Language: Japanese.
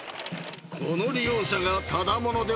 ［この利用者がただ者ではなかった］